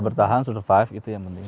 bertahan survive itu yang penting